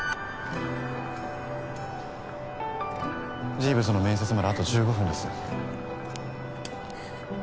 ジーヴズの面接まであと１５分です。